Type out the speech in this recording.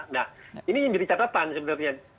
nah ini yang jadi catatan sebenarnya